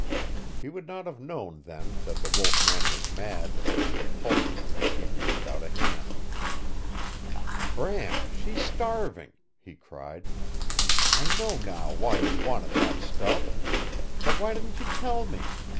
He would not have known then that the wolf man was mad, and impulsively he reached out a hand. "Bram, she's starving," he cried. "I know now why you wanted that stuff! But why didn't you tell me!